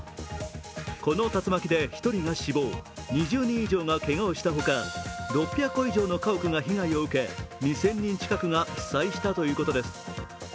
この竜巻で１人が死亡、２０人以上がけがをした他、６００戸以上の家屋が被害を受け２０００人以上が被災したということです。